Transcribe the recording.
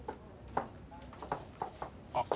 あっ。